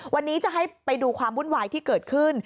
วันนี้จะให้ไปดูความวุ่นวายที่เกิดขึ้น